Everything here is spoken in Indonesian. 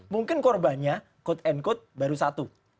mungkin korbannya quote and quote baru satu